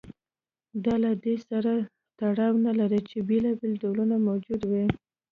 دا له دې سره تړاو نه لري چې بېلابېل ډولونه موجود و